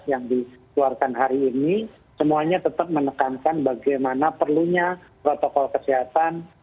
yang dikeluarkan hari ini semuanya tetap menekankan bagaimana perlunya protokol kesehatan